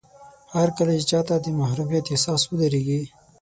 هرکله چې چاته د محروميت احساس ودرېږي.